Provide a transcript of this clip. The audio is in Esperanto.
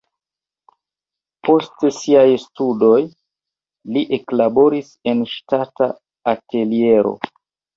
Post siaj studoj li eklaboris en ŝtata ateliero.